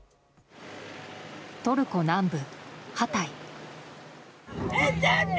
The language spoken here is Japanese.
トルコ南部ハタイ。